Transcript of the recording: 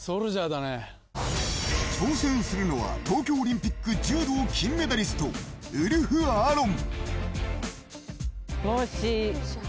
挑戦するのは東京オリンピック柔道金メダリスト、ウルフ・アロン。